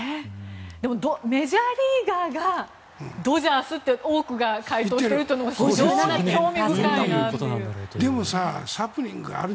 でもメジャーリーガーがドジャースって多くが回答するというのが非常に興味深いなという。